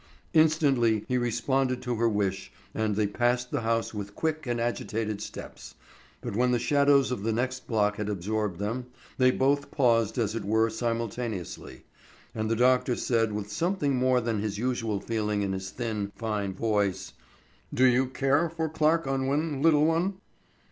Instantly he responded to her wish and they passed the house with quick and agitated steps, but when the shadows of the next block had absorbed them, they both paused as it were simultaneously, and the doctor said with something more than his usual feeling in his thin, fine voice, "Do you care for Clarke Unwin, little one?"